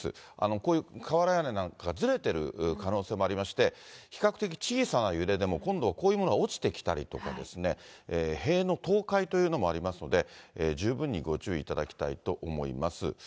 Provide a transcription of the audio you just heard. こういう瓦屋根なんか、ずれてる可能性もありまして、比較的小さな揺れでも、今度、こういうものが落ちてきたりですとか、塀の倒壊というのもありますので、十分にご注意いただきたいと思います。